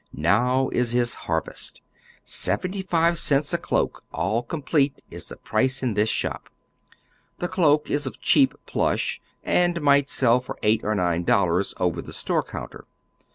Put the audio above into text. Now is his harvest. Seventy five cents a cloak, all complete, is the price in tliis shop. Tlie cloak is of cheap plush, and might sell for eight or nine dollars over the store counter.